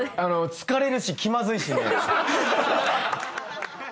疲れるし気まずいしね。